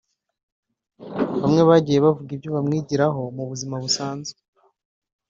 bamwe bagiye bavuga ibyo bamwigiraho mu buzima busanzwe